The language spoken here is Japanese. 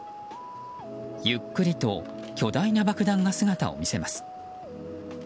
ゆっくりと巨大な爆弾が姿を見せます。